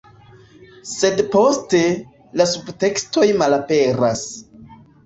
Sed poste, la subtekstoj malaperas.